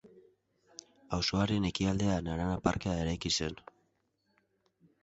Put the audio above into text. Auzoaren ekialdean Arana parkea eraiki zen.